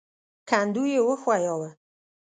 کندو يې وښوياوه.